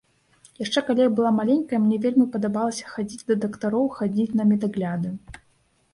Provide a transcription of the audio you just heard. Яшчэ калі я была маленькая, мне вельмі падабалася хадзіць да дактароў, хадзіць на медагляды.